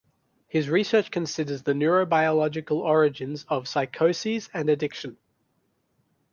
His research considers the neurobiological origins of psychoses and addiction.